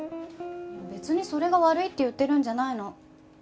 別にそれが悪いって言ってるんじゃないの。